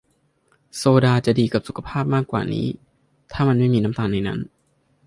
โซดาจะดีกับสุขภาพมากกว่านี้ ถ้ามันไม่มีน้ำตาลในนั้น